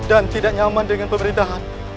dan tidak nyaman dengan pemberitahan